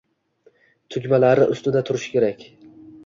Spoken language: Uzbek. Tugmalari ustida turishi kerak